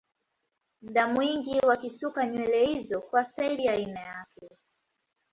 Muda mwingi wakisuka nywele hizo kwa stairi ya aina yake